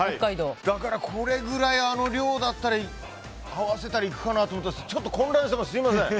だからこれぐらいの量だったら合わせたらいくかなと思ったんですけどちょっと混乱しています。